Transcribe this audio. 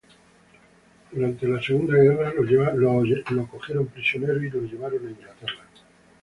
Durante la segunda, fue tomado prisionero y llevado a Inglaterra.